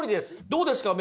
どうですか？